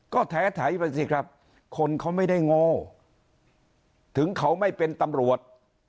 ก็แท้ไถไปสิครับคนเขาไม่ได้โง่ถึงเขาไม่เป็นตำรวจ